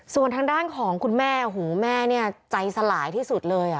ส่วนทางด้านของคุณแม่โอ้โหแม่เนี่ยใจสลายที่สุดเลย